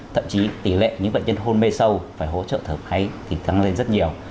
thậm chí tỷ lệ những bệnh nhân hôn mê sâu phải hỗ trợ thở máy thì tăng lên rất nhiều